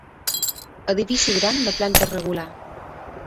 Edifici gran de planta irregular.